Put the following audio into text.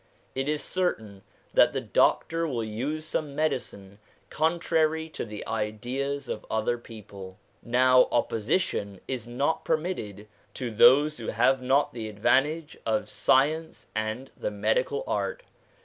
It is certain that the doctor will use some medicine contrary to the ideas of other people ; now opposition is not permitted to those who have not the advantage of science and the medical art.